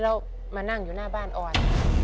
แล้วมานั่งอยู่หน้าบ้านออน